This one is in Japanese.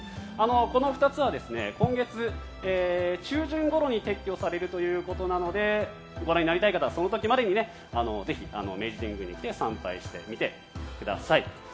この２つは今月中旬ごろに撤去されるということなのでご覧になりたい方はその時までにぜひ明治神宮に来て参拝してみてください。